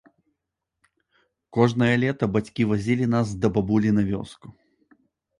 Кожнае лета бацькі вазілі нас да бабулі на вёску.